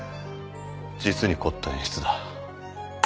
実に凝った演出だ